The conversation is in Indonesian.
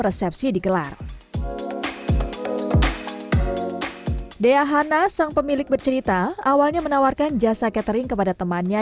resepsi digelar dea hana sang pemilik bercerita awalnya menawarkan jasa catering kepada temannya